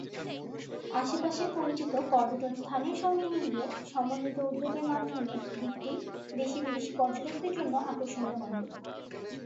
আশেপাশের পরিচিত পর্যটন স্থানের সঙ্গে মিলিয়ে সমন্বিত উদ্যোগের মাধ্যমে দ্বীপটিকে দেশি-বিদেশি পর্যটকদের জন্য আকর্ষণীয় গন্তব্য।